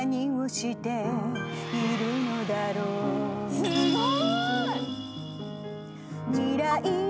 すごーい！